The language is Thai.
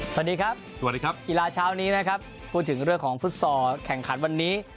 สวัสดีครับสวัสดีครับกีฬาเช้านี้นะครับพูดถึงเรื่องของฟุตซอลแข่งขันวันนี้